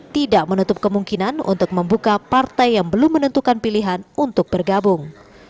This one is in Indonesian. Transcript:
tidak menutup kemungkinan untuk membuka partai yang belum menentukan pilihan untuk bergabung